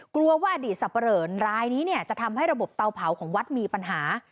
กลัวว่าอดีตสับปะเหลอนรายนี้เนี่ยจะทำให้ระบบเตาเผาของวัดมีปัญหา